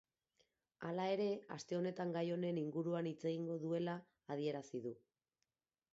Hala ere, aste honetan gai honen inguruan hitz egingo duela adierazi du.